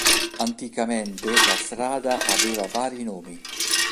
Anticamente la strada aveva vari nomi.